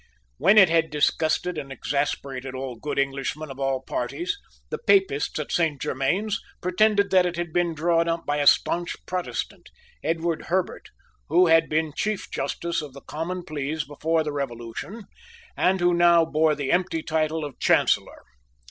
When it had disgusted and exasperated all good Englishmen of all parties, the Papists at Saint Germains pretended that it had been drawn up by a stanch Protestant, Edward Herbert, who had been Chief Justice of the Common Pleas before the Revolution, and who now bore the empty title of Chancellor.